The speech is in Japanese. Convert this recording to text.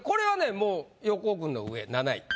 もう横尾君の上７位。